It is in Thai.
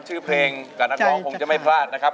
ชื่อเพลงกับนักร้องคงจะไม่พลาดนะครับ